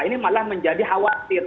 ini malah menjadi khawatir